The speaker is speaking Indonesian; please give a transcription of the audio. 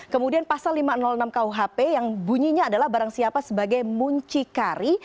kemudian pasal lima ratus enam kuhp yang bunyinya adalah barang siapa sebagai muncikari